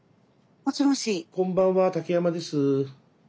こんばんは竹山です。